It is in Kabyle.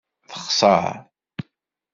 Texṣeṛ.